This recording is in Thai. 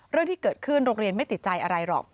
เรื่องที่เกิดขึ้นโรงเรียนไม่ติดใจอะไรหรอก